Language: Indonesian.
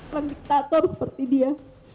seorang diktator seperti dia